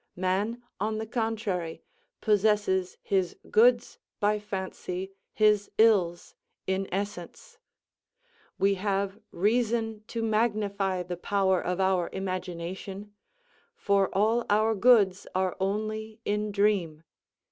Man, on the contrary, possesses his goods by fancy, his ills in essence. We have reason to magnify the power of our imagination; for all our goods are only in dream.